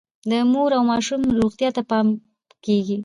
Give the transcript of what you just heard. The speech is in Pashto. د مور او ماشوم روغتیا ته پام کیږي.